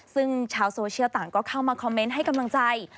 ซึ่งชาวโซเชียลต่างก็เข้ามาคอมเมนต์ให้กำลังใจ